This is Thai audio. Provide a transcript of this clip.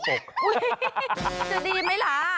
จะดีไหมล่ะ